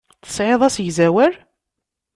Tesɛiḍ asegzawal?